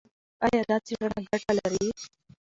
ایا دا څېړنه ګټه لري؟